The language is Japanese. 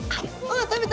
食べた！